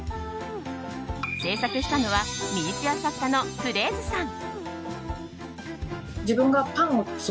制作したのはミニチュア作家のｆｒａｉｓｅさん。